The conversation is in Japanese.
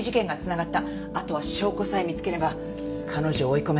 あとは証拠さえ見つければ彼女を追い込める。